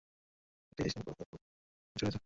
এটি Asian Football Confederation কর্তৃক পরিচালিত।